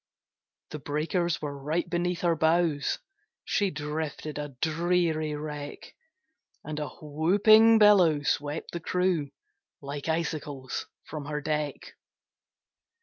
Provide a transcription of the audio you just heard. The breakers were right beneath her bows, She drifted a dreary wreck, And a whooping billow swept the crew Like icicles from her deck.